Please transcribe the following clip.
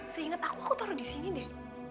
seinget aku aku taruh disini deh